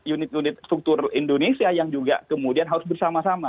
unit unit struktur indonesia yang juga kemudian harus bersama sama